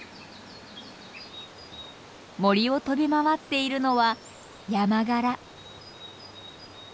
森を飛び回っているのはヤマガラ。